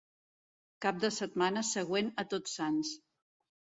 Cap de setmana següent a Tot Sants.